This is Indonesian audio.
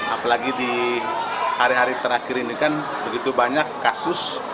apalagi di hari hari terakhir ini kan begitu banyak kasus